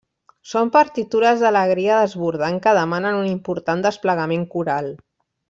Són partitures d'alegria desbordant que demanen un important desplegament coral.